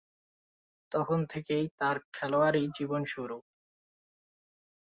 তখন থেকেই তার খেলোয়াড়ী জীবনের শুরু।